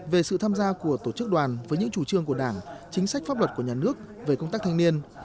về sự tham gia của tổ chức đoàn với những chủ trương của đảng chính sách pháp luật của nhà nước về công tác thanh niên